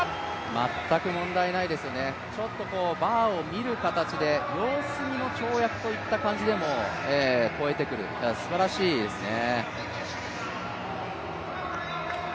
全く問題ないですよね、ちょっとバーを見る形で様子見の跳躍といった感じでも越えてくる、すばらしいですね。